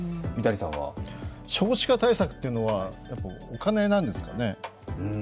少子化対策というのは、正直お金なんですかね。